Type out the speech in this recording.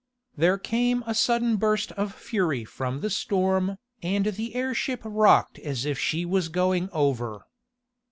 There came a sudden burst of fury from the storm, and the airship rocked as if she was going over.